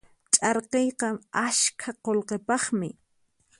Ch'arkiyqa askha qullqipaqmi.